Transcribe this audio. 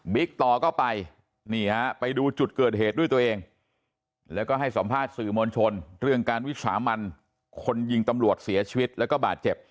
ต่อก็ไปนี่ฮะไปดูจุดเกิดเหตุด้วยตัวเองแล้วก็ให้สัมภาษณ์สื่อมวลชนเรื่องการวิสามันคนยิงตำรวจเสียชีวิตแล้วก็บาดเจ็บ